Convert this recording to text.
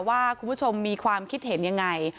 ว่าคุณผู้ชมมีความคิดเห็นยังไง